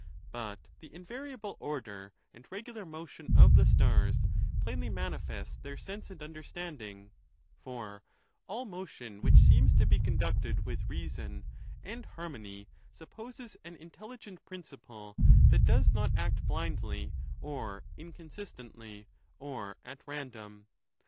But the invariable order and regular motion of the stars plainly manifest their sense and understanding; for all motion which seems to be conducted with reason and harmony supposes an intelligent principle, that does not act blindly, or inconsistently, or at random.